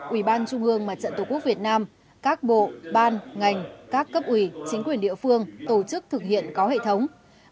ủy ban trung ương mặt trận tổ quốc việt nam các bộ ban ngành các cấp ủy chính quyền địa phương tổ chức thực hiện có hệ thống